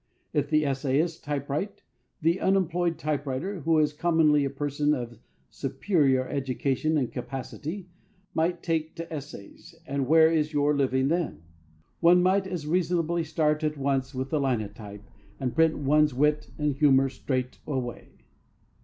If the essayist typewrite, the unemployed typewriter, who is commonly a person of superior education and capacity, might take to essays, and where is your living then? One might as reasonably start at once with the Linotype and print one's wit and humour straight away.